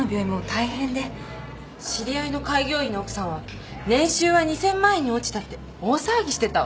知り合いの開業医の奥さんは年収は２，０００万円に落ちたって大騒ぎしてたわ。